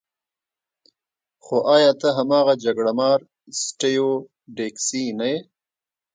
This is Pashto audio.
خو ایا ته هماغه جګړه مار سټیو ډیکسي نه یې